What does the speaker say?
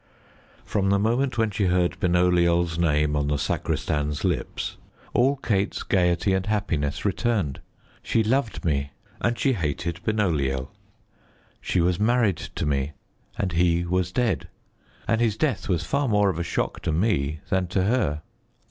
From the moment when she heard Benoliel's name on the sacristan's lips, all Kate's gaiety and happiness returned. She loved me, and she hated Benoliel. She was married to me, and he was dead; and his death was far more of a shock to me than to her.